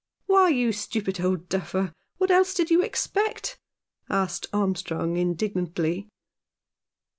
"Why, you stupid old duffer, what else did you expect ?" asked Armstrong, indignantly.